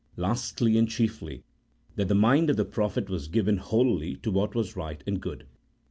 Lastly and chiefly, that the mind of the prophet was given wholly to what was right and good.